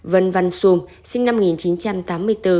vân văn sùm sinh năm một nghìn chín trăm tám mươi bốn